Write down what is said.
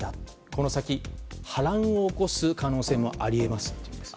この先、波乱を起こす可能性もあり得ますと言うんです。